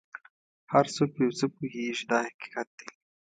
هر څوک په یو څه پوهېږي دا حقیقت دی.